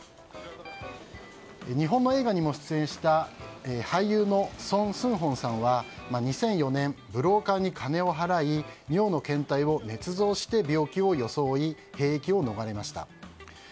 日本の映画にも出演した俳優のソン・スンホンさんは２００４年ブローカーに金を払い尿の検体をねつ造して病気を装い兵役を逃れました。